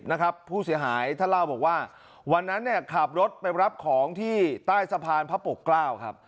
นะครับผู้เสียหายท่านเล่าบอกว่าวันนั้นเนี่ยขับรถไปรับของที่ใต้สะพานพระปกเกล้าครับ